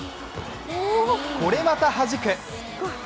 これまたはじく！